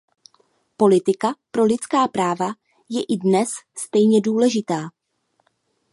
Politika pro lidská práva je i dnes stejně důležitá.